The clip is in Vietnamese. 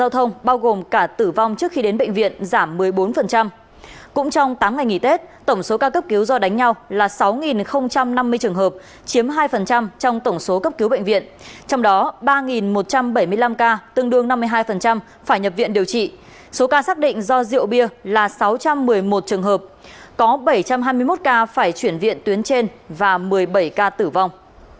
trong tám ngày nghỉ tết tổng số ca cấp cứu do đánh nhau là sáu năm mươi trường hợp chiếm hai trong tổng số cấp cứu bệnh viện trong đó ba một trăm bảy mươi năm ca tương đương năm mươi hai phải nhập viện điều trị số ca xác định do rượu bia là sáu trăm một mươi một trường hợp có bảy trăm hai mươi một ca phải chuyển viện tuyến trên và một mươi bảy ca tử vong